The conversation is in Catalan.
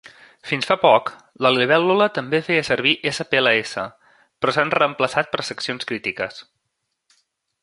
Fins fa poc, la libèl·lula també feia servir spls, però s'han reemplaçat per seccions crítiques.